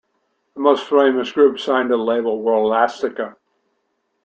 The most famous group signed to the label were Elastica.